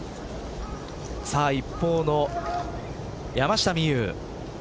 一方の山下美夢有。